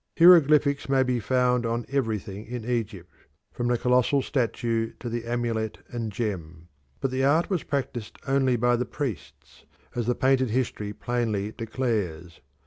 Hieroglyphics may be found on everything in Egypt, from the colossal statue to the amulet and gem. But the art was practised only by the priests, as the painted history plainly declares.